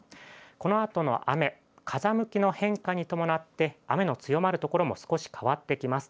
このあとの雨風向きの変化に伴って、雨の強まるところも少し変わってきます。